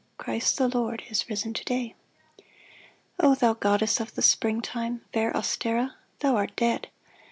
Christ the Lord is risen to day ! O thou goddess of the springtime, Fair Ostera, thou art dead